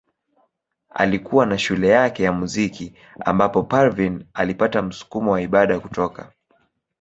Alikuwa na shule yake ya muziki ambapo Parveen alipata msukumo wa ibada kutoka.